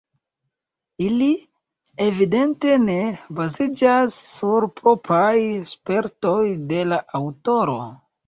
Ili evidente ne baziĝas sur propraj spertoj de la aŭtoro.